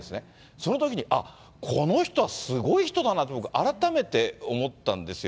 そのときに、あっ、この人はすごい人だなって、僕は改めて思ったんですよ。